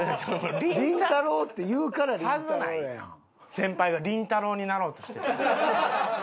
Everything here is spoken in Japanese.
先輩がりんたろー。になろうとしてるの。